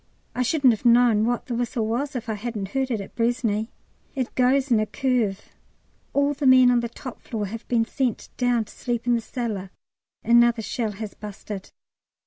I shouldn't have known what the whistle was if I hadn't heard it at Braisne. It goes in a curve. All the men on the top floor have been sent down to sleep in the cellar; another shell has busted.